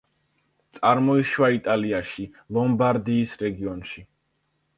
წარმოიშვა იტალიაში, ლომბარდიის რეგიონში.